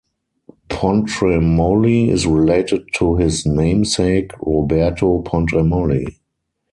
Pontremoli is related to his namesake Roberto Pontremoli.